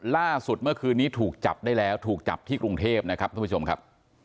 ล่าสุดเมื่อคืนนี้ถูกจับได้แล้วถูกจับที่กรุงเทพนะครับท่านผู้ชมครับ